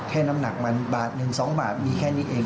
แค่น้ำหนักมันบาทหนึ่งสองบาทมีแค่นี้เอง